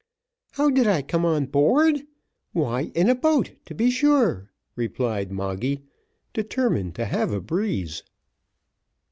"How did I come on board! why, in a boat to be sure," replied Moggy, determined to have a breeze.